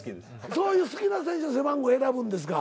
そういう好きな選手の背番号選ぶんですか？